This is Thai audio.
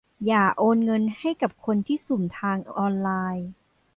อย่าโอนเงินให้กับคนที่สุ่มทางออนไลน์